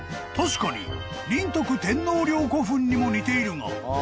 ［確かに仁徳天皇陵古墳にも似ているが］